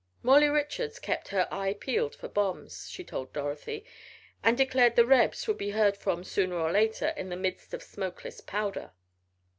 Molly Richards kept her "eye pealed for bombs," she told Dorothy, and declared the "rebs" would be heard from sooner or later in the midst of smokeless powder.